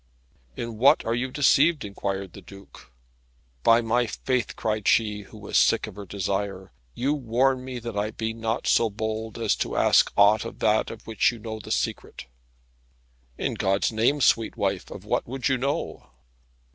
"In what are you deceived?" inquired the Duke. "By my faith," cried she, who was sick of her desire, "you warn me that I be not so bold as to ask aught of that of which you know the secret." "In God's name, sweet wife, of what would you know?"